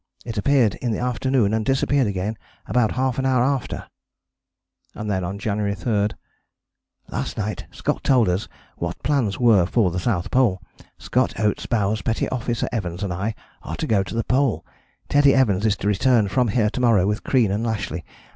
It appeared in the afternoon and disappeared again about ½ hour after." And then on January 3: "Last night Scott told us what the plans were for the South Pole. Scott, Oates, Bowers, Petty Officer Evans and I are to go to the Pole. Teddie Evans is to return from here to morrow with Crean and Lashly.